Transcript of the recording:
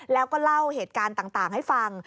แล้วก็เล่าเหตุการณ์ต่างให้ฟัง